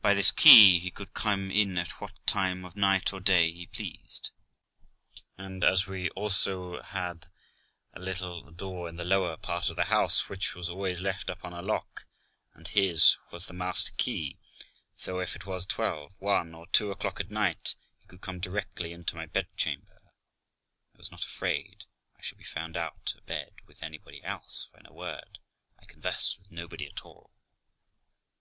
By this key he could come in at what time of night or day he pleased ; and, as we had also a little door in the lower part of the house which was always left upon a lock, and his was the master key, so if it was twelve, one, or two o'clock at night, he could come directly into my bedchamber. N.B. I was not afraid I should be found a bed with anybody else, for, in a word, I conversed with nobody at all.